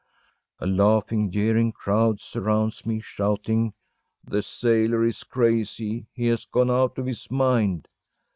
A laughing, jeering crowd surrounds me, shouting: “The sailor is crazy! He has gone out of his mind!